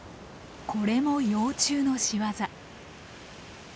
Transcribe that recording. これも幼虫の仕業。